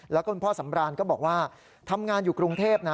แล้วคุณพ่อสำรานก็บอกว่าทำงานอยู่กรุงเทพนะ